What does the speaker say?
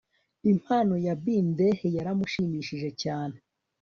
impano ya bindeh yaramushimishije cyane